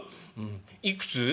いくつ？」。